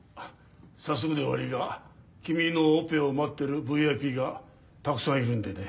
早速で悪いが君のオペを待ってるＶＩＰがたくさんいるんでね。